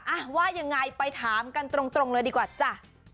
อ่ะว่ายังไงไปถามกันตรงเลยดีกว่าจ้ะ